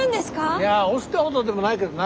いや押忍ってほどでもないけどな。